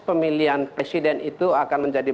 pemilihan presiden itu akan menjadi